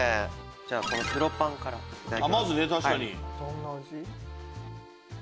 じゃあ黒パンからいただきます。